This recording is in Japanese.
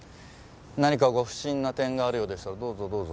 何かご不審な点があるようでしたらどうぞどうぞ。